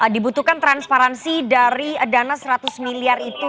dibutuhkan transparansi dari dana seratus miliar itu